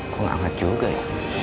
kok gak anget juga ya